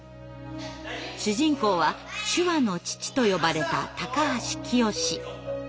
主人公は「手話の父」と呼ばれた高橋潔。